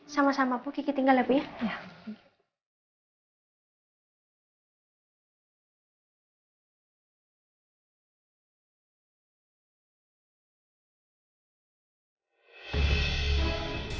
sama sama bu kiki tinggal ya bu ya